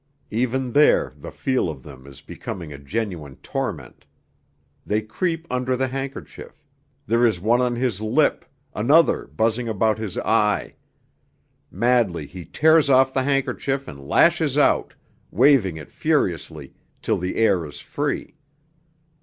Even there the feel of them is becoming a genuine torment. They creep under the handkerchief; there is one on his lip, another buzzing about his eye. Madly he tears off the handkerchief and lashes out, waving it furiously till the air is free.